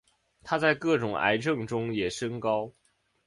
它在各种癌症中也升高。